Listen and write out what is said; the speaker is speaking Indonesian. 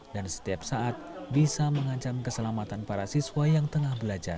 dan setiap saat bisa mengancam keselamatan para siswa yang tengah belajar